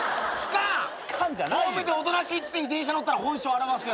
ホームでおとなしいくせに電車乗ったら本性現すやつ。